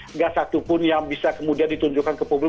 nggak satupun yang bisa kemudian ditunjukkan ke publik